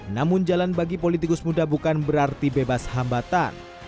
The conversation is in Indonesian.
namun jalan bagi politikus muda bukan berarti bebas hambatan